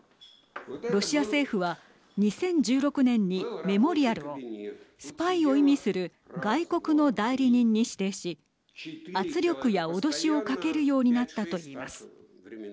ロシア政府は２０１６年にメモリアルをスパイを意味する外国の代理人に指定し圧力やおどしをかけるようになったと言います。